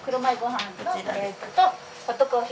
はい。